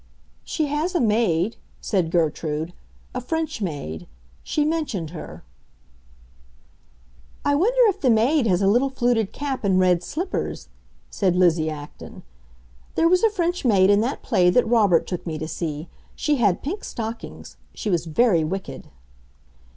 "She has a maid," said Gertrude; "a French maid. She mentioned her." "I wonder if the maid has a little fluted cap and red slippers," said Lizzie Acton. "There was a French maid in that play that Robert took me to see. She had pink stockings; she was very wicked."